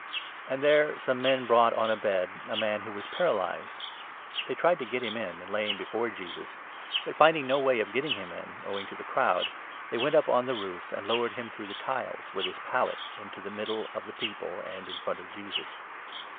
And there some men brought on a bed a man who 18 was paralyzed. They tried to get him in and lay him before Jesus ; but, finding no way of getting him in, owing to the 19 crowd, they went up on the roof and lowered him through the tiles, with his pallet, into the middle of the people and in front of Jesus.